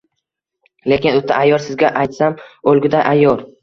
Lekin oʻta ayyor, sizga aytsam, oʻlguday ayyor!